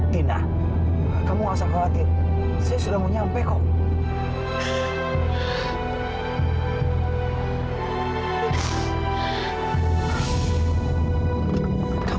tina kamu asal khawatir saya sudah mau nyampe kok